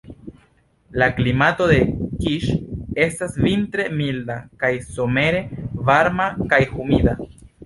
La klimato de Kiŝ estas vintre milda kaj somere varma kaj humida.